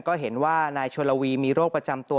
ก็เห็นว่านายชนลวีมีโรคประจำตัว